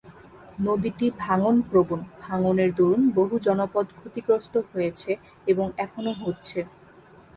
নদীটি ভাঙন প্রবণ, ভাঙনের দরুন বহু জনপদ ক্ষতিগ্রস্ত হয়েছে এবং এখনও হচ্ছে।